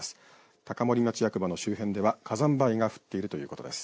高森町役場の周辺では火山灰が降っているということです。